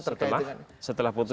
setelah setelah putusan